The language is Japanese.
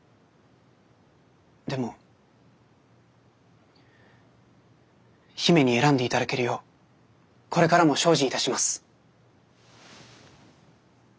でも姫に選んで頂けるようこれからも精進いたします。